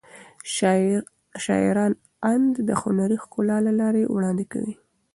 شاعران اند د هنري ښکلا له لارې وړاندې کوي.